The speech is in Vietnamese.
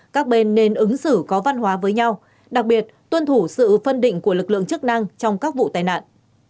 các bên nên ứng xử có văn hóa với nhau đặc biệt tuân thủ sự phân định của lực lượng chức năng trong các vụ tai nạn